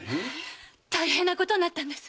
大変なことになったんです！